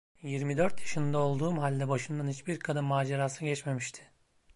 Yirmi dört yaşında olduğum halde başımdan hiçbir kadın macerası geçmemişti.